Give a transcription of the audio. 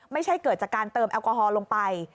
ไม่ใช่เกิดจากการเติมแอลกอฮอลลงไป